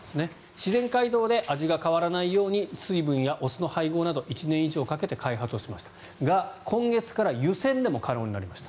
自然解凍で味が変わらないように水分やお酢の配合など１年以上かけて開発しましたが今月から湯煎でも可能になりました。